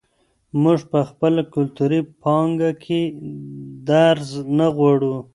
موږ په خپله کلتوري پانګه کې درز نه غواړو.